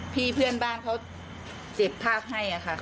เพื่อนบ้านเขาเก็บภาพให้ค่ะ